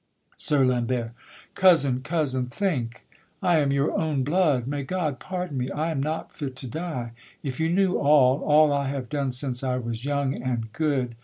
SIR LAMBERT. Cousin! cousin! think! I am your own blood; may God pardon me! I am not fit to die; if you knew all, All I have done since I was young and good.